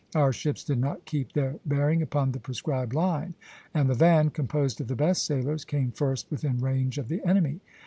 Our ships did not keep their bearing upon the prescribed line, and the van, composed of the best sailers, came first within range of the enemy.